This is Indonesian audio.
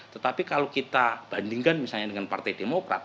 tetapi kalau kita bandingkan misalnya dengan partai demokrat